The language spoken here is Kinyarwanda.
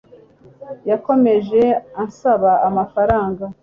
yakomeje ansaba amafaranga